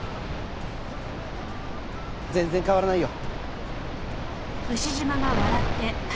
全然変わらないよ。